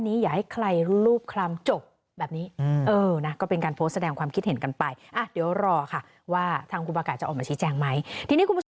ในรูปคลามจบแบบนี้เออนะก็เป็นการโพสแสดงความคิดเห็นกันไปอ่ะเดี๋ยวรอค่ะว่าทางครูปาไก่จะออกมาชี้แจงไหมที่นี่